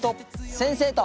先生と。